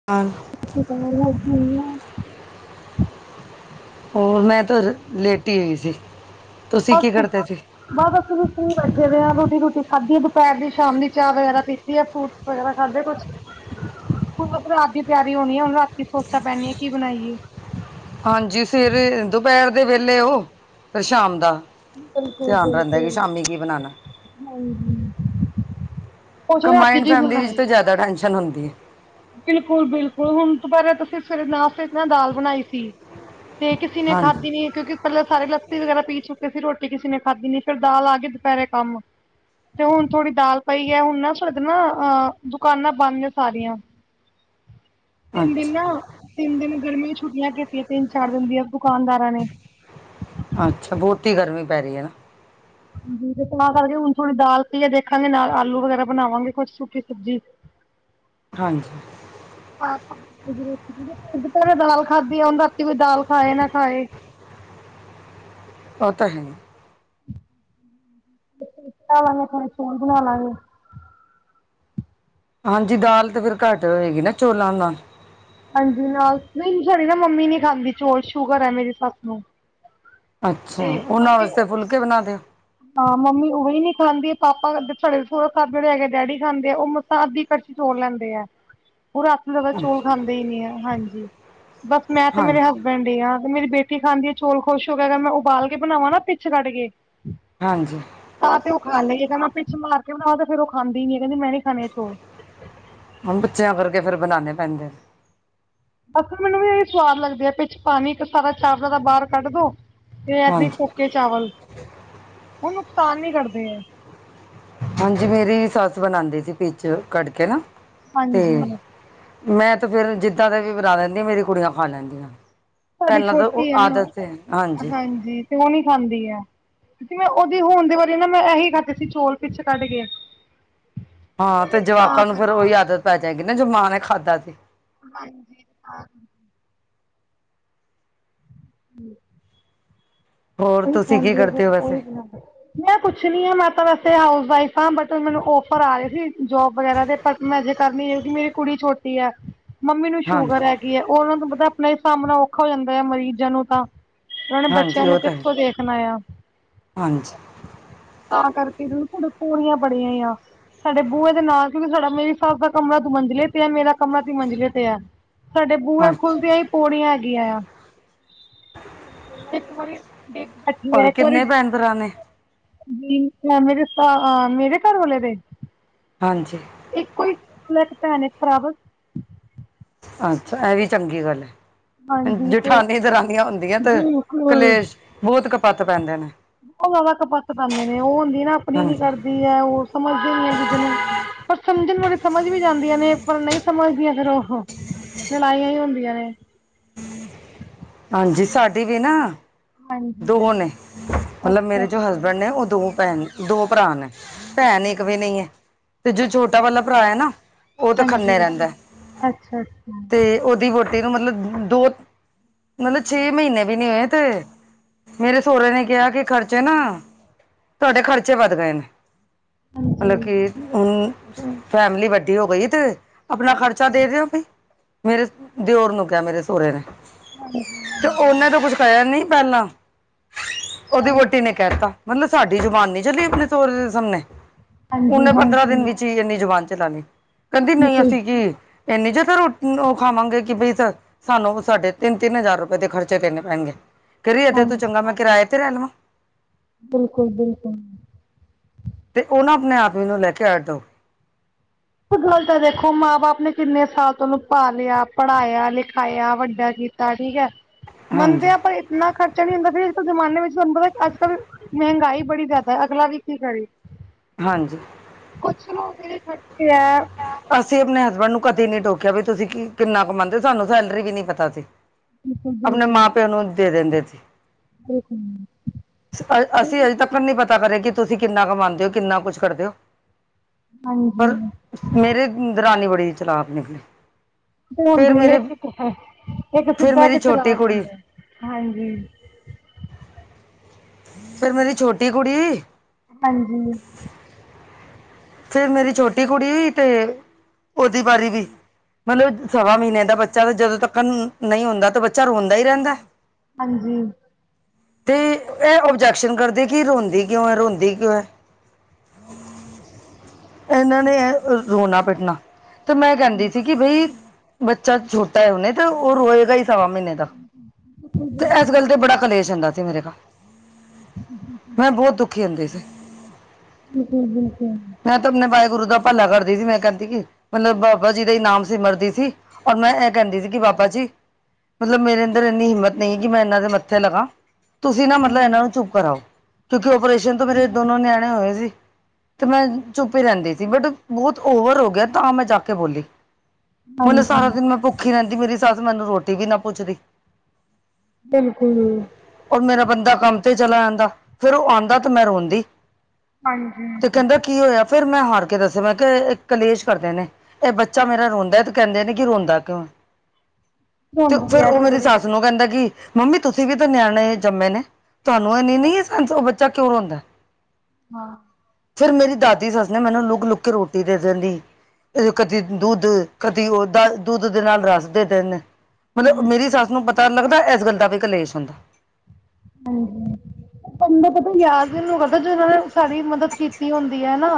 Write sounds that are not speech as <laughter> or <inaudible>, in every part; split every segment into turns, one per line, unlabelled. <inaudible> <inaudible>
ਹੋਰ ਮੈਂ ਤਾਂ ਲੇਟ ਹੀ ਹੋਈ ਸੀ।
<inaudible> <inaudible>
ਤੁਸੀਂ
ਬਸ
ਕੀ ਕਰਦੇ ਸੀ
ਬਸ ਦ ਤਰੀ ਵੱਜੇ ਦੇ ਆ ਰੋਟੀ ਰੋਟੀ ਖਾਧੀ ਆ ਦੁਪਹਿਰ ਦੀ ਸ਼ਾਮੀ ਚਾਹ ਵਗੈਰਾ ਪੀ ਫਰੂਟਸ ਵਗੈਰਾ ਖਾਧੇ ਕੁਛ। ਹੁਣ ਰਾਤ ਦੀ ਤਿਆਰੀ ਹੋਣੀ ਆ ਹੁਣ ਰਾਤ ਸੋਚਾਂ ਪੈਣੀ ਆ ਕੀ ਬਣਾਈਏ।
ਹਾਂਜੀ। ਸਵੇਰ, ਦੁਪਹਿਰ ਦੇ ਵੇਲੇ ਉਹ ਫਿਰ ਸ਼ਾਮ ਦਾ
ਬਿਲਕੁਲ
ਧਿਆਨ ਰਹਿੰਦਾ ਕਿ
ਬਿਲਕੁਲ
ਸ਼ਾਮੀ ਕੀ ਬਣਾਉਣਾ।
ਹਾਂਜੀ ਕੁਛ ਰਾਤੀ
ਕੰਬਾਈਡ
ਕੀ
ਫੈਮਿਲੀ ਵਿੱਚ ਤਾਂ
ਬਣਾਈਏ
ਜ਼ਿਆਦਾ ਟੈਨਸ਼ਨ ਹੁੰਦੀ ਐ।
ਬਿਲਕੁਲ ਬਿਲਕੁਲ ਹੁਣ ਦਪਹਿਰ ਤੁਸੀਂ ਸਵੇਰੇ ਨਾਸ਼ਤੇ ਨਾ ਦਾਲ ਬਣਾਈ ਸੀ। ਤੇ ਕਿਸੇ ਨੇ
ਹਾਂਜੀ
ਖਾਧੀ ਨੀ ਕਿਉਂਕਿ, ਪਹਿਲਾਂ ਸਾਰੇ ਲੱਸੀ ਵਗੈਰਾ ਪੀ ਚੁੱਕੇ ਸੀ ਰੋਟੀ ਕਿਸੇ ਨੇ ਖਾਧੀ ਨ ਫਿਰ ਦਾਲ ਆ ਗਏ ਦੁਪਹਿਰੇ ਕੰਮ ਤੇ ਹੁਣ ਥੋੜ੍ਹੀ ਦਾਲ ਪਈ ਹੈ ਹੁਣ ਨਾ ਫਿਰ ਨਾ ਅ ਦੁਕਾਨਾਂ ਬੰਦ ਨੇ ਸਾਰੀਆਂ। ਤਿੰਨ ਦਿਨ ਨਾ
ਅੱਛਾ
ਤਿੰਨ ਦਿਨ ਗਰਮੀਆਂ ਛੁੱਟੀਆਂ ਕੀਤੀਆਂ ਤਿੰਨ ਚਾਰ ਦਿਨ ਦੀਆਂ ਦੁਕਾਨਦਾਰਾਂ ਨੇ।
ਅੱਛਾ, ਬਹੁਤੀ ਗਰਮੀ ਪੈ ਰਹੀ ਹੈ ਨਾ।
ਹਾਂਜੀ, ਤਾਂ ਕਰਕੇ ਹੁਣ ਦਾਲ ਪੀਆ ਦੇਖਾਂਗੇ ਨਾਲ ਆਲੂ ਵਗੈਰਾ ਬਣਾਵਾਂਗੇ ਕੁਛ ਸੁਕੀ ਸਬਜ਼ੀ
ਹਾਂਜੀ,
<inaudible> ਭ ਦਾਲ ਖਾਧੀ ਆ ਉਹਦਾ ਰਾਤੀ ਵੀ ਦਾਲ ਖਾਏ ਨਾ ਖਾਏ।
ਓ ਤਾਂ ਹੈ।
ਬਣਾਵਾਂਗੇ ਖਣੇ ਚੋਲ ਬਣਾ ਲਾਂਗੇ।
ਹਾਂਜੀ, ਦਾਲ ਤੇ ਫਿਰ ਘੱਟ ਹੋਏਗੀ ਨਾ ਚੋਲਾਂ ਨਾਲ
ਹਾਂਜੀ, ਨਾਲ ਨਹੀਂ ਸਾਡੀ ਨਾ ਮੰਮੀ ਨੀ ਖਾਂਦੀ ਚੋਲ ਸ਼ੂਗਰ ਹੈ ਮੇਰੀ ਸੱਸ ਨੂੰ
ਅੱਛਾ,
ਤੇ
ਉਹਨਾਂ
ਮੰਮੀ
ਵਾਸਤੇ
ਉਹ
ਫੁਲਕੇ ਬਣਾ ਦਿਓ।
ਹਾਂ, ਮੰਮੀ ਉਹੀ ਨੀ ਖਾਂਦੀ ਪਾਪ ਸਾਡੇ ਸੋਹਰਾ ਸਾਹਿਬ ਜਿਹੜੇ ਹੈਗੇ ਡੈਡੀ ਖਾਂਦੇ ਆ ਉਹ ਸ <unintelligible> ਦੀ ਕੜਛੀ ਲੈਂਦੇ ਆ ਉਹ ਰਾ। <unintelligible> ਚੋਲ ਖਾਂਦੇ ਹੀ ਨੀ ਹੈ ਹਾਂਜੀ ਬਸ ਮੈਂ ਤੇ ਮੇਰੇ
ਹਾਂਜੀ
ਹਸਬ ਐ ਤੇ ਮੇਰੀ ਬੇਟੀ ਖਾਂਦੀ ਆ ਚੋਲ ਖੁਸ਼ ਹੋ ਕੇ ਮੈਂ ਉਬਾਲ ਕੇ ਬਣਾਵਾਂ ਨਾ ਪਿੱਛ ਕੱਢ ਕੇ।
ਹਾਂਜੀ,
ਤਾਂ ਤੇ ਉਹ ਖਾ ਲਈਏ ਕਹਿੰਦਾ ਪਿੱਛ ਮਾਰ ਕੇ ਬਣਾ ਤੇ ਫਿਰ ਉਹ ਖਾਂਦੀ ਨੀ ਕਹਿੰਦੀ ਮੈਂ ਨਹੀਂ ਖਾਣੇ ਆ ਚੌਲ।
ਹੁਣ ਬੱਚਿਆਂ ਕਰਕੇ ਫੇਰ ਬਣਾਨਣੇ ਪੈਂਦੇ।
ਬਸ ਮੈਨੂੰ ਵੀ ਇਹੀ ਸਵਾਦ ਲੱਗਦੀ ਹੈ ਪਿੱਛ ਪਾਣੀ ਇੱਕ ਸਾਰਾ ਚਾਵਲਾਂ ਦਾ ਬਾਹਰ ਕੱਢ ਦੋ ਤੇ ਐ।
ਹਾਂਜੀ
ਸ ਚਾਵਲ ਉਹ ਨੁਕਸਾਨ ਨੀ ਕਰਦੇ ਏ।
ਹਾਂਜੀ, ਮੇਰੀ ਸੱਸ ਬਣਾਉਂਦੀ ਸੀ ਪਿੱਛ ਕੱਢ ਕੇ ਨਾ ਤੇ
ਹਾਂਜੀ।
ਮੈਂ ਤੇ ਫੇਰ ਜਿੱਦਾਂ ਦਾ ਵੀ ਬਣਾ ਲੈਂਦੀ ਆ ਮੇਰੀ ਕੁੜੀਆਂ ਖਾ ਲੈਂਦੀਆਂ
ਸਾਡੀ
ਪਹਿਲਾਂ ਤਾਂ ਉਹ
ਛੋਟੀ ਹੈ ਨਾ
ਆਦਤ ਹਾਂਜੀ।
<unintelligible> ਨੀ ਖਾਂਦੀ ਏ। ਮੈਂ ਉਹਦੀ ਹੋਣ ਦੇ ਬਾਰੇ ਨਾ ਮੈਂ ਇਹੀ ਖਾ ਸੀ ਚੌਲ ਪਿੱਛ ਕੱਢ ਕੇ
ਹਾਂ, ਤੇ
ਤਾਂ
ਜਵਾਕਾਂ ਨੂੰ ਫੇਰ
ਕਰਕੇ
ਉਹੀ ਆਦਤ ਪੈ ਜਾਏਗੀ ਨਾ ਜੋ ਮਾਂ ਨੇ ਖਾਧਾ ਸੀ।
ਹਾਂਜੀ ਹਾਂ,
ਹੋਰ
ਹੀ
ਤੁਸੀਂ ਕੀ
ਖਾਂਦੀ ਆ ਫਿਰ
ਕਰਦੇ ਹੋ
ਉਹੀ
ਵੈਸੇ
ਬਣਾਉਦੀ। ਮੈਂ ਕੁਛ ਨੀ ਆ ਮੈਂ ਤਾਂ ਵੈਸੇ ਹਾਊਸ ਵਾਈਫ ਹਾਂ ਬਟ ਮੈਨੂੰ ਔਫਰ ਆ ਰਹੇ ਸੀ ਜੋਬ ਵਗੈਰਾ ਦੇ ਪਰ ਮੈਂ ਜੇ ਕਰਨੀ ਹੈ ਕਿਉਂਕਿ ਮੇਰੀ ਕੁੜੀ ਛੋਟੀ ਏ ਮੰਮੀ ਨੂੰ ਸ਼ੂਗਰ
ਹਾਂਜੀ
ਹੈ ਗੀ ਏ ਉਹਨਾਂ ਨੂੰ ਪਤਾ ਆਪਣਾ ਸਾਬਣਾ ਔਖਾ ਹੋ ਜਾਂਦਾ ਹੈ ਮਰੀਜ਼ਾਂ ਨੂੰ ਤਾਂ। ਉਹਨਾਂ ਨੇ
ਹਾਂਜੀ
ਬੱਚਿਆਂ ਨੂੰ
ਉਹ ਤਾਂ ਹੈ
ਕਿੱਥੋਂ ਦੇਖਣਾ ਆ
ਹਾਂਜੀ
ਤਾਂ ਕਰਕੇ ਡੇ ਪੂਰੀਆਂ ਬੜੀਆਂ ਆ ਸਾਡੇ ਬੂਹੇ ਦੇ ਨਾਲ ਕਿਉਂਕਿ ਸਾਡਾ ਮੇਰੀ ਸਾਬ ਦਾ ਕਮਰਾ ਤੂੰ ਮੰਜਲੇ ਤੇ ਆ ਮੇਰਾ ਕਮਰਾ ਤੂੰ ਮੰਜਿਲੇ ਤੇ ਆ ਸਾਡੇ ਬੂਹੇ ਖੁੱਲਦੀਆਂ
ਅੱਛਾ
ਹੀ ਪੌੜੀਆਂ ਹੈਗੀਆਂ ਆ ਇੱਕ ਵਾਰੀ
ਔਰ ਕਿੰਨੇ ਭੈਣ ਭਰਾ ਨੇ
<unintelligible> <unintelligible> ਮੇਰੇ ਮੇਰੇ ਘਰ ਵਾਲੇ ਰ
ਹਾਂਜੀ
ਇੱਕ ਕੋਈ ਲੈ ਕੇ ਭੈਣ ਖਰਾਬ
ਅੱਛਾ ਇਹ ਵੀ ਚੰਗੀ ਗੱਲ ਹੈ
ਹਾਂਜੀ ਤੇ
ਜੇਠਾਨੀਆ ਦਰਾਨੀਆਂ ਹੁੰਦੀਆਂ ਤੇ
ਬਿਲਕੁਲ
ਕਲੇਸ਼ ਬਹੁਤ ਕਪੱਤ ਪੈਂਦੇ ਨੇ
ਬਹੁਤ ਜ਼ਿਆਦਾ ਕਪੱਤ ਪੈਂਦੇ ਨੇ ਉਹ ਹੁੰਦੀ ਨਾ ਆਪਣੀ ਨੀ
ਹਾਂਜੀ
ਕਰਦੀ ਹੈ ਉਹ ਸਮਝਦੇ ਨ ਹੈ ਕਿ ਨੂੰ ਪਰ ਸਮਝਣ ਮੁੜੇ ਸਮਝ ਵੀ ਜਾਂਦੀਆਂ ਨੇ ਪਰ ਨਹੀਂ ਸਮਝਦੀਆਂ ਫੇਰ ਉਹ ਲੜਾਈਆਂ ਈ ਹੁੰਦੀਆਂ ਨੇ
ਹਾਂਜੀ ਸਾਡੀ ਵੀ ਨਾ ਦੋ
ਹਾਂਜੀ
ਨੇ ਮਤਲਬ
ਅੱਛਾ
ਮੇਰੇ ਜੋ
ਅੱਛਾ
ਹਸਬੈਂਡ ਨੇ ਉਹ ਦੋ ਭੈਣ ਦੋ ਭਰਾ ਨੇ ਭੈਣ
ਅੱਛਾ
ਇੱਕ
ਅੱਛਾ,
ਵੀ ਨਹੀਂ ਹੈ ਤੇ ਛੋਟਾ ਵਾਲਾ ਭਰਾ ਹੈ ਨਾ ਉਹ ਤਾਂ
ਹਾਂਜੀ
ਖੰਨੇ ਰਹਿੰਦਾ
ਅੱਛਾ ਅੱਛਾ ਹਾਂਜੀ
ਤੇ ਉਹਦੀ ਵ ਤੈਨੂੰ ਮਤਲਬ ਦੋ ਮਤਲਬ ਛੇ ਮਹੀਨੇ ਵੀ ਨੀ ਹੋਏ ਤੇ ਮੇਰੇ ਸਹੁਰੇ ਨੇ ਕਿਹਾ ਕਿ ਖਰਚੇ ਨਾ ਤੁਹਾਡੇ ਖਰਚੇ ਵੱਧ ਗਏ ਨੇ ਮਤਲਬ ਕਿ ਹੁਣ ਫੈਮਲੀ ਵੱਡੀ ਹੋ ਗਈ ਤੇ ਆਪਣਾ ਖਰਚਾ ਦੇ ਦਿਓ ਬ ਮੇਰੇ ਦਿਓਰ ਨੂੰ ਕਿਹਾ ਮੇਰੇ ਸਹੁਰੇ ਨੇ
ਹਾਂਜੀ
ਤੇ
ਹਾਂਜੀ
ਉਹਨੇ ਤੋਂ ਕੁਛ ਕਆ ਨੀ ਪਹਿਲਾਂ ਉਹਦੀ ਵੋਟੀ ਨੇ ਕਹਿ ਦਿੱਤਾ ਮਤਲਬ ਸਾਡੀ ਜ਼ੁਬਾਨ ਨੀ ਚਲੀ ਆਪਣੇ ਸਰ ਦੇ ਸਾਹਮਣੇ
ਹਾਂਜੀ
ਉਹਨੇ ਪੰਦਰਾਂ
ਹਾਂਜੀ
ਦਿਨ ਵਿੱਚ ਹੀ ਇੰਨੀ ਜ਼ੁਬਾਨ ਚਲਾਣੀ ਕਹਿੰਦੀ ਨਹੀਂ
ਬਿਲਕੁਲ
ਅਸੀਂ ਕੀ ਇੰਨੀ ਜਦਾ ਰੋਟੀ ਉਹ ਖਾਵਾਂਗੇ ਕਿ ਬਈ ਸਰ ਸਾਨੂੰ ਸਾਡੇ ਤਿੰਨ ਤਿੰਨ ਹਜ਼ਾਰ ਰੁਪਏ ਦੇ ਖਰਚੇ ਕਰਨੇ ਪੈਣਗੇ ਕਰੀਏ ਅਦੇ ਤੂੰ ਚੰਗਾ
ਹਾਂਜੀ
ਮੈਂ ਕਿਰਏ ਤੇ ਰਹਿ ਲਵਾਂ
ਬਿਲਕੁਲ ਬਿਲਕੁਲ
ਤੇ ਉਹ ਨਾ ਆਪਣੇ ਆਪ ਵੀ ਨੂੰ ਲੈ ਕੇ ਆਟ ਦਿਓ
ਗੱਲ ਤਾਂ ਦੇਖੋ ਮਾਂ ਬਾਪ ਨੇ ਕਿੰਨੇ ਸਾਲ ਤੋਂ ਉਹਨੂੰ ਪਾ ਲਿਆ ਪੜ੍ਹਾਇਆ ਲਿਖਾਇਆ ਵੱਡਾ ਕੀ ਠੀਕ ਹੈ ਮੰਨਦੇ
ਹਾਂਜੀ
ਆਾਂ ਪਰ ਇੰਨਾ ਖਰਚਾ ਨੀ ਹੁੰਦਾ ਫ ਅੱਜ ਕੱਲ ਜ਼ਮਾਨੇ ਵਿੱਚ ਤੁਹਾਨੂੰ ਪਤਾ ਅੱਜ ਕੱਲ ਮਹਿੰਗਾਈ ਬੜੀ ਜ਼ਿਆਦਾ ਅਗਲਾ ਵੀ ਕੀ ਕਰੀ
ਹਾਂਜੀ
<unintelligible>
ਅਸੀਂ ਆਪਣੇ ਹਸਬੈਂਡ ਨੂੰ ਕਦੇ ਨੀ ਟੋਕਿਆ ਵੀ ਤੁਸੀਂ ਕਿੰਨਾ ਕਮਾਦੇ ਹੋ ਸਾਨੂੰ ਸੈਲਰੀ ਵੀ ਨੀ ਪਤਾ ਸੀ
ਬਿਲਕੁਲ
ਆਪਣੇ
ਬਿਲਕੁਲ
ਮਾਂ ਪਿਓ ਨੂੰ ਦੇ ਦਿੰਦੇ ਸੀ
ਬਿਲਕੁਲ
ਅਸੀਂ ਅਜੇ ਤੱਕ ਨਹੀਂੀ ਪਤਾ ਕਰੇ ਕਿ ਤੁਸੀਂ ਕਿੰਨਾ ਕਮਾਉਦੇ ਹੋ ਕਿੰਨਾ ਕੁਛ ਕਰਦੇ ਹੋ
ਹਾਂਜੀ
ਪਰ ਮੇਰੇ ਦਰਾਨੀ ਬੜੀ ਚਲਾਕ ਨਿਕਲੀ
ਹੁੰਦਾ
ਫੇਰ
ਹੀ
ਮੇਰੇ
ਇੱਕ ਇੱਕ
ਫਿਰ
ਸਿੱਧਾ ਇੱਕ
ਮੇਰੀ ਛੋਟੀ
ਚਲਾਕ
ਕੁੜੀ
ਹੁੰਦਾ ਹਾਂਜੀ
ਫੇਿਰ ਮੇਰੀ ਛੋਟੀ ਕੁੜੀ
ਹਾਂਜੀ
ਫੇਿਰ ਮੇਰੀ ਛੋਟੀ ਕੁੜੀ ਵੀ ਤੇ ਉਹਓਦੀ ਵਾਰੀ ਵੀ ਮਤਲਬ ਸਵਾ ਮਹੀਨਿਆਂ ਦਾ ਬੱਚਾ ਤਾਂ ਜਦੋਂ ਤੱਕਨ ਨਹੀਂ ਹੁੰਦਾ ਤਾਂ ਬੱਚਾ ਰੋਂਦਾ ਹੀ ਰਹਿੰਦਾ?
ਹਾਂਜੀ।
ਅਤੇ ਇਹ ਓਬਜੈਕਸ਼ਨ ਕਰਦੇ ਕਿ ਰੋਂਦੀ ਕਿਉਂ ਹੈ ਰੋਂਦੀ ਕਿਉਂ ਹੈ। ਇਹਨਾਂ ਨੇ ਰੋਣਾ ਪਿੱਟਣਾ ਤੇ ਮੈਂ ਕਹਿੰਦੀ ਸੀ ਕਿ ਬਈ ਬੱਚਾ ਛੋਟਾ ਹੈ ਉਹਨੇ ਤਾਂ ਉਹ ਰੇਏਗਾ ਹੀ। ਸਵਾ ਮਹੀਨੇ ਦਾ ਤੇ
ਬਿਲਕੁਲ
ਇਸ ਗੱਲ ਤੇ ਬੜਾ ਕਲੇਸ਼ ਹੁੰਦਾ ਸੀ ਮੇਰੇ ਘਰ। ਮੈਂ ਬਹੁਤ ਦੁਖੀ ਹੁੰਦੀ ਸੀ।
ਹਮ ਹਮ ਹਮ ਹਮ।
ਮੈਂ ਤਾਂ ਆਪਣੇ ਵਾਹਿਗੁਰੂ ਦਾ ਭਲਾ ਕਰਦੀ ਸੀ ਮੈਂ ਕਹਿੰਦੀ ਕਿ ਮਤਲਬ ਬਾਬਾ ਜੀ ਦਾ ਨਾਮ ਹੀ ਸਿਮਰਦੀ ਸੀ। ਔਰ ਮੈਂ ਇਹ ਕਹਿੰਦੀ ਸੀ ਕਿ ਬਾਬਾ ਜੀ ਮਤਲਬ ਮੇਰੇ ਅੰਦਰ ਇੰਨੀ ਹਿੰਮਤ ਨਹੀਂ ਕਿ ਮੈਂ ਇਹਨਾਂ ਦੇ ਮੱਥੇ ਲਗਾ। ਤੁਸੀਂ ਨਾ
ਸਹੀ
ਮਤਲਬ
ਗੱਲ
ਇਹਨਾਂ ਨੂੰ ਚੁੱਪ ਕਰਾਓ ਕਿਉਂਕਿ ਓਪਰੇਸ਼ਨ ਤੋਂ ਮੇਰੇ
ਸਹੀ ਗੱਲ
ਦੋਨੋ ਨਿਆਣੇ ਹੋਏ ਸੀ ਤੇ ਮੈਂ ਚੁੱਪ ਹੀ ਰਹਿੰਦੀ ਸੀ ਬਟ ਬਹੁਤ ਓਵਰ ਹੋ ਗਿਆ ਤਾਂ ਮੈਂ ਜਾ ਕੇ ਬੋਲੀ। ਮਤਲਬ ਸਾਰਾ
ਹਾਂਜੀ
ਦਿਨ ਮੈਂ ਭੁੱਖੀ ਰਹਿੰਦੀ ਮੇਰੀ ਸੱਸ ਮੈਨੂੰ ਰੋਟੀ ਵੀ ਨਾ ਪੁੱਛਦੀ
ਬਿਲਕੁਲ
ਰ ਮੇਰਾ ਬੰਦਾ ਕੰਮ ਤੇ ਚਲਾ ਜਾਂਦਾ ਫੇਿਰ ਉਹ ਆਉਂਦਾ ਤੇ ਮੈਂ ਰੋਂਦੀ
ਹਾਂਜੀ
ਤੇ ਕਹਿੰਦਾ ਕੀ ਹੋਇਆ ਫਿਰ ਮੈਂ ਹਾਰ ਕੇ ਦੱਸਿਆ ਮੈਂ ਕਿ ਕਲੇਸ਼ ਕਰਦੇ ਨੇ ਇਹ ਬੱਚਾ ਮੇਰਾ ਰੋਂਦਾ ਤੇ ਕਹਿੰਦੇ ਨੇ ਕਿ ਰੋਂਦਾ ਕਿਉਂ? ਤੇ
ਹੁੰਦੀ
ਫਿਰ
ਹੈ
ਉਹ
ਥੋੜੇ
ਮੇਰੀ ਸੱਸ
ਬਹੁਤੇ
ਨੂੰ ਕਹਿੰਦਾ ਕਿ ਮੰਮੀ ਤੁਸੀਂ ਵੀ ਤਾਂ ਨਿਆਣੇ ਜੰਮੇ ਨੇ, ਤੁਹਾਨੂੰ ਇਹਨੀ ਨੀ ਸੈੰਸ ਬੱਚਾ ਕਿਉਂ ਰੋਂਦਾ
ਹਾਂ।
ਫੇਰ ਮੇਰੀ ਦਾਦੀ ਸੱਸ ਨੇ ਮੈਨੂੰ ਲੁਕ- ਲੁੱਕ ਕੇ ਰੋਟੀ ਦੇ ਦਿੰਦੀ। ਕਦੀ ਦੁੱਧ ਕਦੀ ਉਹ ਦੁੱਧ ਦੇ ਨਾਲ ਰੱਸ ਦੇ ਦੇਂਦੇਂ। ਮਤਲਬ ਮੇਰੀ ਸੱਸ ਨੂੰ ਪਤਾ ਲੱਗਦਾ, ਇਸ ਗੱਲ ਦਾ ਵੀ ਕਲੇਸ਼ ਹੁੰਦਾ।
ਹਾਂਜੀ। ਬੰਦਾ ਪਤਾ ਯਾਦ ਓਹਨੂੰ ਕਰਦਾ ਜ ਉਹਨਾਂ ਨੇ ਸਾਡੀ ਮਦਦ ਕੀਤੀ ਹੁੰਦੀ ਹੈ ਨਾ।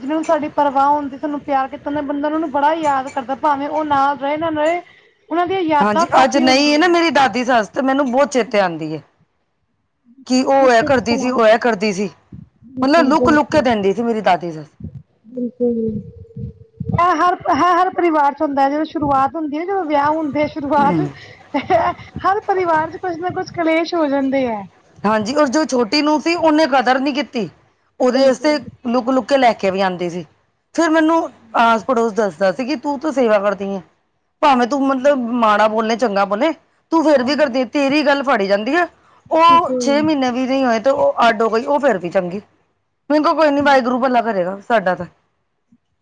ਜਿਹਨਾਂ ਨੂੰ ਸਾਡੀ ਪਰਵਾਹ ਹੁੰਦੀ, ਸਾਨੂੰ ਪਿਆਰ ਕੀਤਾ ਦਾ ਬੰਦਾ ਉਹਨਾਂ ਨੂੰ ਬੜਾ ਯਾਦ ਕਰਦਾ ਭਾਵੇਂ ਉਹ ਨਾ ਰਹੇ ਨਾ ਰਹੇ ਉਹਨਾਂ ਦੀਆਂ
ਹਾਂਜੀ
ਯਾਦਾਂ
ਅੱਜ
ਕਾਫ਼ੀ
ਨਹੀਂ
ਹੁੰਦੀਆਂ
ਨਾ
ਹੈ
ਮੇਰੀ ਦਾਦੀ ਸੱਸ, ਤੇ ਮੈਨੂੰ ਬਹੁਤ ਚੇਤੇ ਆਉਂਦੀ ਹੈ। ਕਿ ਉਹ ਐ
ਬਿਲਕੁਲ
ਕਰਦੀ ਸੀ ਉਹ ਇਹ ਕਰਦੀ ਸੀ ਮਤਲਬ ਲੁੱਕ- ਲੁੱਕ
ਬਿਲਕੁਲ
ਦਿੰਦੀ ਸੀ ਮੇਰੀ ਦਾਦੀ ਸੱਸ।
<unintelligible> <unintelligible> ਇਹ ਹਰ ਇਹ ਹਰ ਪਰਿਵਾਰ ਚ ਹੁੰਦਾ ਹੈ ਜਦੋਂ ਸ਼ੁਰੂਆਤ ਹੁੰਦੀ ਹੈ ਜਦੋਂ ਵਿਆਹ ਹੁੰਦੇ ਸ਼ੁਰੂਆਤ, ਹਰ ਪਰਿਵਾਰ ਚ ਕੁਛ ਨਾ ਕੁਛ ਕਲੇਸ਼ ਹੋ ਜਾਂਦੇ ਹੈ।
ਹਾਂਜੀ, ਓਸ ਜੋ ਛੋਟੀ ਨੂੰਹ ਸੀ ਉਹਨੇ ਕਦਰ ਨਹੀਂ ਕੀਤੀ ਉਹ ਦੇ
ਬਿਲਕੁਲ
ਵਾਸਤੇ ਲੁਕ ਲੁਕ ਕੇ ਲੈ ਕੇ ਵੀ ਆਉਂਦੀ ਸੀ। ਫਿਰ ਮੈਨੂੰ ਆਸ ਪੜੋਸ ਦੱਸਦਾ ਸੀ ਕਿ ਤੂੰ ਤਾਂ ਸੇਵਾ ਕਰਦੀ ਆਂ। ਭਾਵੇਂ ਤੂੰ ਮਤਲਬ ਮਾੜਾ ਬੋਲੇ ਚੰਗਾ ਬੋਲੇ ਤੂੰ ਫੇਰ ਵੀ
ਹਾਂਜੀ
ਕਰਦੀ ਤੇਰੀ ਗੱਲ ਫੜੀ ਜਾਂਦੀ ਆ। ਉਹ ਛੇ
ਬਿਲਕੁਲ
ਮਹੀਨੇ ਵੀ ਨਹੀਂ ਹੋਏ ਤੇ ਉਹ ਅਡ ਹੋ ਗਈ ਉਹ ਫੇਰ ਵੀ ਚੰਗੀ। ਕੋਈ ਨੀ ਵਾਹਿਗੁਰੂ ਭਲਾ ਕਰੇਗਾ ਸਾਡਾ ਤਾਂ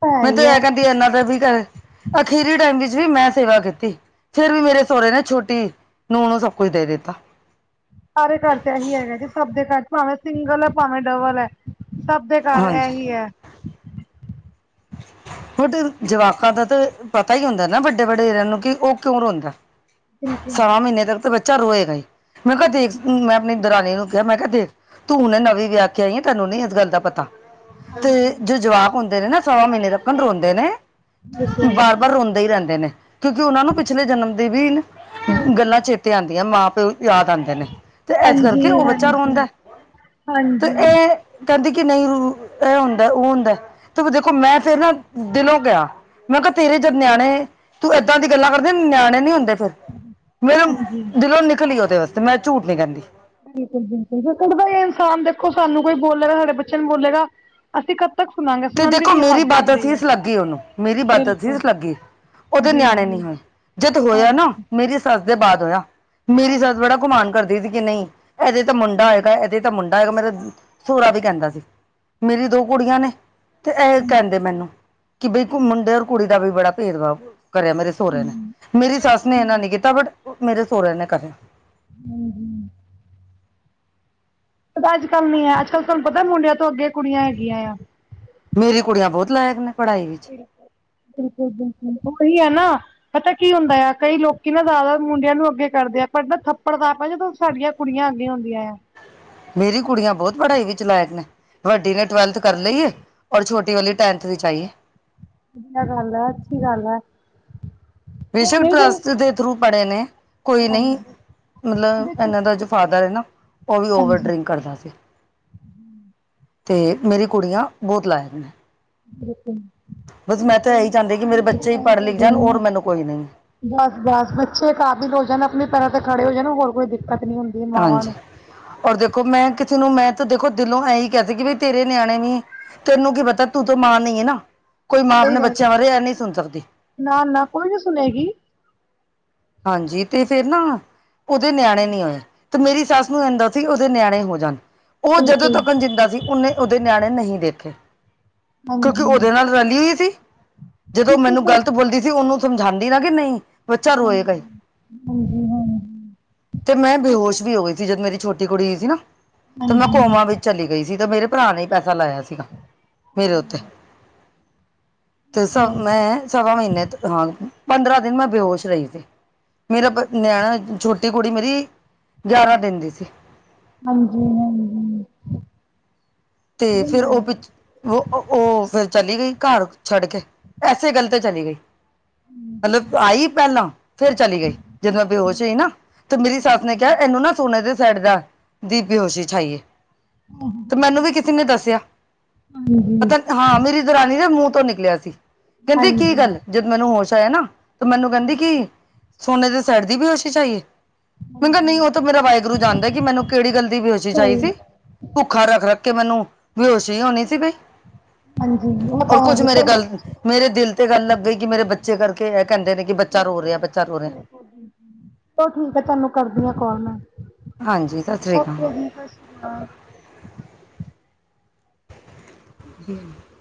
ਹੈ
ਮੈ ਤੇ
ਹੀ ਹੈ
ਇਹ ਕਹਿੰਦੀ ਇਹਨਾ ਦਾ ਵੀ ਕਰੇ। ਅਖੀਰੀ ਟਾਈਮ ਵਿੱਚ ਵੀ ਮੈਂ ਸੇਵਾ ਕੀਤੀ। ਫੇਰ ਵੀ ਮੇਰੇ ਸਹੁਰੇ ਨੇ ਛੋਟੀ ਨੂੰਹ ਨੂੰ ਸਭ ਕੁਝ ਦੇ ਦਿੱਤਾ।
ਸਾਰੇ ਘਰ ਚ ਇਹੀ ਹੈਗਾ ਕਿ ਸਭ ਦੇ ਘਰ ਭਾਵੇਂ ਸਿੰਗਲ ਹੈ ਭਾਵੇਂ ਡਬਲ ਹੈ। ਸਭ ਦੇ ਘਰ
ਹਾਂਜੀ
ਏੇਹੀ ਹੈ।
<inaudible> <unintelligible> ਜਵਾਕਾਂ ਦਾ ਤਾਂ ਪਤਾ ਹੀ ਹੁੰਦਾ ਨਾ ਵੱਡੇ ਵੱਡਰੇ <unintelligible> ਨੂੰ ਕਿ ਉਹ ਕਿਉਂ ਰੋਂਦਾ?
ਬਿਲਕੁਲ
ਸਵਾ ਮਹੀਨੇ
ਬਿਲਕੁਲ,
ਤੱਕ ਤਾਂ ਬੱਚਾ ਰੋਏਗਾ ਹੀ ਮੈਂ ਕਿਹਾ ਦੇਖ ਮੈਂ ਆਪਣੀ ਦਰਾਣੀ ਨੂੰ ਕਿਹਾ ਮੈਂ ਕਿਹਾ ਦੇਖ ਤੂੰ ਹੂਨੇ ਨਵੀਂ ਵਿਆਹ ਕੇ ਆਈ ਆ ਤੈਨੂੰ ਨੀ ਇਸ ਗੱਲ ਦਾ ਪਤਾ। ਤੇ
ਹਾਂਜੀ
ਜੋ ਜਵਾਕ ਹੁੰਦੇ ਨੇ ਨਾ ਸਵਾ ਮਹੀਨੇ ਤਕ ਰੋਂਦੇ ਨੇ।
ਬਿਲਕੁਲ
ਬਾਰ- ਬਾਰ ਰੋਂਦੇ ਹੀ ਰਹਿੰਦੇ ਨੇ। ਕਿਉਂਕਿ ਉਹਨਾਂ ਨੂੰ ਪਿਛਲੇ ਜਨਮ ਦੀ ਵੀ
ਹਾਂਜੀ
ਗੱਲਾਂ ਚੇਤੇ ਆਉਂਦੀਆਂ। ਮਾਂ ਪਿਓ ਯਾਦ ਆਉਂਦੇ ਨੇ। ਤੇ ਇਸ ਕਰਕੇ
ਹਾਂਜੀ
ਉਹ ਬੱਚਾ
ਹਾਂਜੀ
ਰੋਂਦਾ ਹੈ ਅਤੇ
ਹਾਂਜੀ
ਇਹ ਕਹਿੰਦੀ ਕਿ ਨਹੀਂ ਇਹ ਹੁੰਦਾ ਉਹ ਹੁੰਦਾ ਤੇ ਦੇਖੋ ਮੈਂ ਫਿਰ ਨਾ ਦਿਲੋਂ ਕਿਹਾ ਮੈਂ ਤੇਰੇ ਜਦ ਨਿਆਣੇ ਤੂੰ ਇੱਦਾਂ ਦੀ ਗੱਲਾਂ ਕਰਦੇ ਨਿਆਣੇ ਨੀ ਹੁੰਦੇ ਫ ਮੇਰਾ
ਹਾਂਜੀ
ਦਿਲੋਂ ਨਿਕਲੀ ਉਹਦੇ ਵਾਸਤੇ ਮੈਂ ਝੂਠ ਨੀ ਕਹਿੰਦੀ
ਬਿਲਕੁਲ, ਬਿਲਕੁਲ, ਇਨਸਾਨ ਦੇਖੋ ਸਾਨੂੰ ਕੋਈ ਬੋਲੇਗਾ ਸਾਡੇ ਬੱਚੇ ਨੂੰ ਬੋਲੇਗਾ ਅਸੀਂ ਤੱਕ ਸੁਣਾਂਗੇ
ਤੇ
ਸੁਣਨ ਦੀ
ਦੇਖੋ
ਵੀ
ਮੇਰੀ
ਹੱਦ
ਬਦਤ
ਹੁੰਦੀ ਹੈ
ਸੀਸ ਲੱਗੀ ਓਨੂੰ ਮੇਰੀ ਬਦਤ
ਬਿਲਕੁਲ
ਸੀਸ ਲੱਗੀ। ਉਹਦੇ
ਜੀ
ਨਿਆਣੇ
ਜੀ
ਨਹੀਂ ਹੋਏ ਜਦ ਹੋਇਆ ਨਾ
ਹਾਂਜੀ ਹਾਂਜੀ
ਮੇਰੀ ਸੱਸ ਦੇ ਬਾਅਦ ਹੋਇਆ ਮੇਰੀ ਸੱਸ
ਹਾਂਜੀ
ਬੜਾ ਘੁਮਾਨ ਕਰਦੀ ਸੀ ਕਿ ਨਹੀਂ ਇਹਦੇ ਤਾਂ ਮੁੰਡਾ ਹੈਏਗਾ। ਤਾਂ ਮੁੰਡਾ ਹੋਏਗਾ ਮੇਰਾ ਸੋਹਰਾ ਵੀ ਕਹਿੰਦਾ ਸੀ ਮੇਰੀ ਦੋ ਕੁੜੀਆਂ ਨੇ ਤੇ ਇਹ ਕਹਿੰਦੇ ਮੈਨੂੰ ਕਿ ਬਈ ਮੁੰਡੇ ਔਰ ਕੁੜੀ ਦਾ ਵੀ ਬੜਾ ਭੇਦਭਾਵ ਕਰਿਆ ਮੇਰੇ ਸਹੁਰੇ ਨੇ ਮੇਰੀ ਸੱਸ ਨੇ ਇੰਨਾ
ਹਾਂਜੀ
ਨੀ ਕੀਤਾ ਬਟ ਮੇਰੇ ਸਹੁਰਿਆਂ ਨੇ ਕਰਿਆ
ਹਮ, ਹਮ। ਪਤਾ ਅੱਜ, ਕੱਲ ਨੀ ਹੈ। ਅੱਜ, ਕੱਲ੍ਹ ਤੁਹਾਨੂੰ ਪਤਾ ਮੁੰਡਿਆਂ ਤੋਂ ਅੱਗੇ ਕੁੜੀਆਂ ਹੈਗੀਆਂ ਆ।
ਮੇਰੀ ਕੁੜੀਆਂ ਬਹੁਤ ਲਾਇਕ ਨੇ ਪੜ੍ਹਾਈ ਵਿੱਚ।
ਬਿਲਕੁਲ- ਬਿਲਕੁਲ ਉਹੀ ਹੈ ਨਾ। ਪਤਾ ਕੀ ਹੁੰਦਾ ਆ, ਕਈ ਲੋਕੀ ਨਾ ਜ਼ਿਆਦਾ ਮੁੰਡਿਆਂ ਨੂੰ ਅੱਗੇ ਕਰਦੇ ਆ ਪਰ ਨਾ ਥੱਪੜ ਦਾ ਆਪਾ ਜਦੋਂ ਸਾਡੀਆਂ ਕੁੜੀਆਂ ਅੱਗੇ ਆਉਂਦੀਆਂ ਆ।
ਮੇਰੀ ਕੁੜੀਆਂ ਬਹੁਤ ਪੜ੍ਹਾਈ ਵਿੱਚ ਲਾਇਕ ਨੇ। ਵੱਡੀ ਨੇ ਟਵੈਲਥ ਕਰ ਲਈਏ ਔਰ ਛੋਟੀ ਵਾਲੀ ਟੈਂਨਥ ਵਿੱਚ ਆਈਏ।
ਵਧੀਆ ਗੱਲ ਹੈ, ਅੱਛੀ ਗੱਲ ਹੈ।
ਵਿਸ਼ਵ
ਹੁਣੇ
ਟਰੱਸਟ ਦੇ ਥਰੂ ਪੜ੍ਹੇ ਨੇ ਕੋਈ ਨਹੀਂ।
ਹਾਂਜੀ
ਮਤਲਬ
ਦੇਖੋ
ਇਹਨਾਂ ਦਾ ਜੋ ਫਾਦਰ ਹੈ ਨਾ ਉਹ ਵੀ ਓਵਰ
ਹਾਂਜੀ
ਡਰਿੰਕ ਕਰਦਾ ਸੀ ਤੇ ਮੇਰੀ ਕੁੜੀਆਂ ਬਹੁਤ ਲਾਇਕ ਨੇ
ਬਿਲਕੁਲ
ਬਸ ਮੈਂ ਤਾਂ
ਕੋਈ
ਇਹੀ ਚਾਹੁੰਦੀ ਕਿ ਮੇਰੇ ਬੱਚੇ ਹੀ ਪੜ੍ਹ ਲਿਖ ਜਾਣ
ਨ।
ਔਰ
<unintelligible>
ਮੈਨੂੰ ਕੋਈ ਨਹੀਂ
ਬਸ, ਬਸ ਬੱਚੇ ਕਾਬਿਲ ਹੋ ਜਾਣ ਆਪਣੀ ਤਰ੍ਹਾਂ ਤੇ ਖੜੇ ਹੋ ਜਾਣ ਹੋਰ ਕੋਈ ਦਿੱਕਤ ਨੀ ਹੁੰਦੀ। ਮਾਵਾਂ
ਹਾਂਜੀ।
ਨੂੰ।
ਔਰ ਦੇਖੋ ਮੈਂ ਕਿਸੇ ਨੂੰ ਮੈਂ ਤਾਂ ਦੇਖੋ ਦਿਲੋਂ ਐਹੀ ਕਹਿੰਦੀ ਸੀ ਕਿ ਵੀ ਤੇਰੇ ਨਿਆਣੇ ਵੀ ਤੈਨੂੰ ਕੀ ਪਤਾ ਤੂੰ ਤੇ ਮਾਂ ਨਹੀਂ ਹੈ ਨਾ ਕੋਈ ਮਾਂ
ਸਹੀ
ਆਪਣੇ
ਗੱਲ ਹੈ।
ਬੱਚਿਆਂ ਬਾਰੇ ਇਹ ਨਹੀਂ ਸੁਣ ਸਕਦੀ
ਨਾ, ਨਾ ਕੋਈ ਨੀ ਸੁਣੇਗੀ।
ਹਾਂਜੀ। ਤੇ ਫੇਰ ਨਾ ਉਹਦੇ ਨਿਆਣੇ ਨੀ ਹੋਏ ਤੇ ਮੇਰੀ ਸੱਸ ਨੂੰ ਏੱਦਾ ਸੀ ਉਹਦੇ ਨਿਆਣੇ ਹੋ ਜਾਣ ਉਹ ਜਦੋਂ
ਬਿਲਕੁਲ
ਤੱਕ ਜਿੰਦਾ ਸੀ ਉਹਨੇ ਉਹਦੇ ਨਿਆਣੇ ਨਹੀਂ ਦੇਖੇ ਕਿਉਂਕਿ
ਹਾਂਜੀ।
ਉਹਦੇ ਨਾਲ ਰਲੀ ਹੋਈ ਸੀ ਜਦੋਂ
ਬਿਲਕੁਲ
ਮੈਨੂੰ
ਸਰ
ਗ਼ਲਤ ਬੋਲਦੀ ਸੀ ਉਹਨੂੰ ਸਮਝਾਂਦੀ ਨਾ ਕਿ ਨਹੀਂ ਬੱਚਾ ਰੋਏ
ਹਾਂਜੀ, ਹਾਂਜੀ ਹਾਂ।
ਤੇ ਮੈਂ ਬੇਹੋਸ਼ ਵੀ ਹੋ ਗਈ ਸੀ ਜਦ ਮੇਰੀ ਛੋਟੀ ਕੁੜੀ ਹੋਈ ਸੀ ਨਾ ਤੇ ਮੈਂ
ਹਾਂਜੀ ਨਹੀਂ
ਕੌਮਾਂ ਵਿੱਚ ਚਲੀ ਗਈ ਸੀ ਤਾਂ ਮੇਰੇ ਭਰਾ ਨੇ ਪੈਸਾ ਲਾਇਆ ਸੀਗਾ ਮੇਰੇ ਉੱਤੇ ਤੇ ਸ
ਹਾਂਜੀ,
ਮੈਂ ਸਵਾ ਮਹੀਨੇ ਹਾਂ ਪੰਦਰਾਂ ਦਿਨ ਮੈਂ ਬੇਹਸ਼ ਰਹੀ ਸੀ। ਮੇਰਾ ਨਿਆਣਾ ਛੋਟੀ ਕੁੜੀ ਮੇਰੀ ਗਿਆਰਾਂ ਦਿਨ ਦੀ ਸੀ।
ਹਾਂਜੀ, ਹਾਂਜੀ।
ਤੇ ਫਿਰ
ਜਾਂਦਾ
ਉਹ
ਹੈ।
ਪ। ਉਹ ਫਿਰ ਚਲੀ ਗਈ ਘਰ ਛੱਡ ਕੇ ਐਸੇ ਗੱਲ ਤੇ ਚਲੀ ਗਈ ਮਤਲਬ ਆਈ ਪਹਿਲਾਂ ਫੇਰ ਚਲੀ
ਹਾਂਜੀ,
ਗਈ
ਹਾਂਜੀ,
ਜਦੋਂ ਮੈਂ ਬੇਹੋਸ਼ ਈ ਨਾ ਤੇ ਮੇਰੀ ਸੱਸ ਨੇ ਕਿਹਾ ਇਹਨੂੰ ਨਾ ਸੋਨੇ ਦੇ ਸੈਟ ਦਾ ਦੀ ਬੇਹੋਸ਼ੀ ਛਾਈਏ ਤੇ ਮੈਨੂੰ ਵੀ ਕਿਸੇ ਨੇ ਦੱਸਿਆ ਪਤਾ ਹਾਂ ਮੇਰੀ ਦੁਰਾਨੀ ਦਾ ਮੂੰਹ ਤੋਂ ਨਿਕਲਿਆ ਸੀ ਕਹਿੰਦੇ ਕੀ
ਹਾਂਜੀ।
ਗੱਲ ਜਦ ਮੈਨੂੰ ਹੋਸ਼ ਆਇਆ ਨਾ ਤੇ ਮੈਨੂੰ ਕਹਿੰਦੀ ਕਿ ਸੋਨੇ ਦੇ ਸੈਟ ਦੀ ਬੇਹੋਸ਼ੀ ਹੋਸ਼ੀ ਛਾਈਏ ਮੈ ਕਿਹਾ
ਹਾਂਜੀ,
ਨਹੀਂ ਉਹ ਤਾਂ ਮੇਰਾ ਵਾਹਿਗੁਰੂ ਜਾਣਦਾ ਕਿ ਮੈਨੂੰ ਕਿਹੜੀ ਗੱਲ ਦੀ ਬੇਹੋਸ਼ੀ ਛਾਈ
ਸਹੀ
ਸੀ ਭੁੱਖਾ ਰੱਖ, ਰੱਖ ਕਿ ਮੈਨੂੰ ਬੇਹਸ਼ੀ ਹੋਣੀ ਸੀ ਬਈ
ਹਾਂਜੀ ਉਹ ਤਾਂ
ਔਰ ਕੁੱਛ
ਹੈ
ਮੇਰੇ
ਚਲੋ
ਗੱਲ ਮੇਰੇ ਦਿਲ ਤੇ ਗੱਲ ਲੱਗ ਗਈ ਕਿ ਮੇਰੇ ਬੱਚੇ ਕਰਕੇ ਇਹ ਕਹਿੰਦੇ ਨੇ ਕਿ ਬੱਚਾ ਰੋ ਰਿਹਾ, ਬੱਚਾ ਰੋ ਰਿਹਾ।
ਚਲ ਠੀਕ ਆ ਤਾਨੂੰ ਕਰਦੀ ਆ ਕੋਲ ਮੈ
ਹਾਂਜੀ ਸਤਿ ਸ੍ਰੀ
ਓਕ
ਅਕਾਲ
ਜੀ। <unintelligible>
ਹਮ। <unintelligible>